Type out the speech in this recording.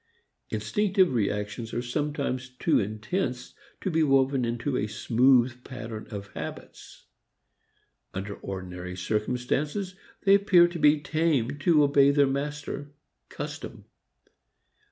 Instinctive reactions are sometimes too intense to be woven into a smooth pattern of habits. Under ordinary circumstances they appear to be tamed to obey their master, custom.